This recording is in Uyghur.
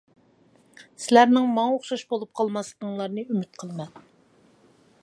سىلەرنىڭ ماڭا ئوخشاش بولۇپ قالماسلىقىڭلارنى ئۈمىد قىلىمەن.